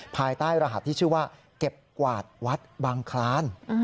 ภายใต้รหัสที่ชื่อว่าเก็บกวาดวัดบางคลาน